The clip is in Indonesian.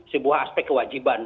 sebuah aspek kewajiban